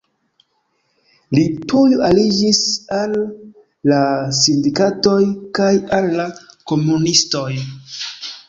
Li tuj aliĝis al la sindikatoj kaj al la komunistoj.